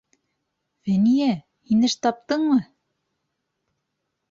Фәниә, һин эш таптыңмы?